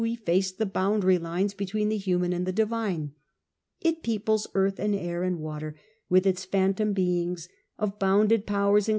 efface the boundary lines between the human and the ^ divine. It peoples earth and air and water theism less with its phantom beings, of bounded powers scrupulous.